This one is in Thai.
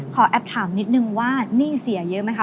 แอบถามนิดนึงว่าหนี้เสียเยอะไหมคะ